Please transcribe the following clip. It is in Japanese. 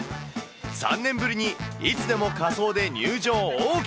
３年ぶりにいつでも仮装で入場ＯＫ。